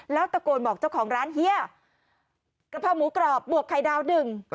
แล้วตะโกนบอกเจ้าของร้านเฮียกะเพราหมูกรอบบวกไข่ดาวหนึ่ง